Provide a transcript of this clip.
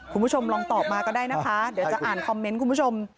คุณผู้ชมลองตอบมาก็ได้นะคะเดี๋ยวจะอ่านคอมเมนต์คุณผู้ชม